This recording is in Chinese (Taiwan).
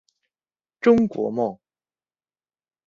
中國夢